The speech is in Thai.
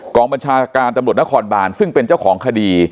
บัญชาการตำรวจนครบานซึ่งเป็นเจ้าของคดี